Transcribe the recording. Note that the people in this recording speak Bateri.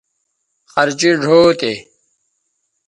خرچیئ ڙھؤ تے